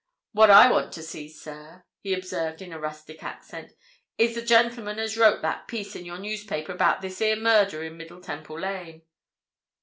"What I want to see, sir," he observed in a rustic accent, "is the gentleman as wrote that piece in your newspaper about this here murder in Middle Temple Lane."